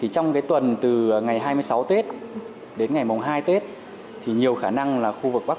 trong tuần từ ngày hai mươi sáu tết đến ngày hai tết nhiều khả năng là khu vực bắc